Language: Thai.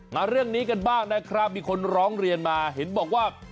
มาเรื่องนี้กันบ้างนะครับมีคนร้องเรียนมาเห็นบอกว่า